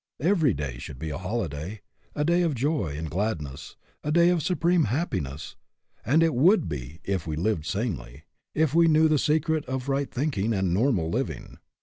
Every day should be a holiday, a day of joy and gladness, a day of supreme happiness ; and it would be, if we lived sanely, if we knew the secret of right thinking and normal living.